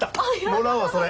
もらうわそれ。